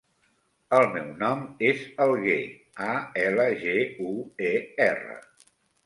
El meu nom és Alguer: a, ela, ge, u, e, erra.